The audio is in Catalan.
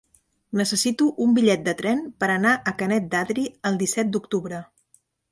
Necessito un bitllet de tren per anar a Canet d'Adri el disset d'octubre.